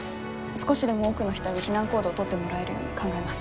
少しでも多くの人に避難行動を取ってもらえるように考えます。